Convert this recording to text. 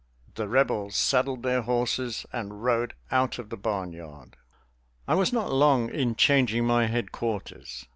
the Rebels saddled their horses and rode out of the barnyard. I was not long in changing my headquarters.